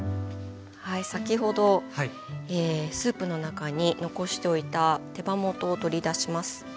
先ほどスープの中に残しておいた手羽元を取り出します。